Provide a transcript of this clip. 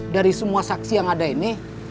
dari semua saksi yang ada ini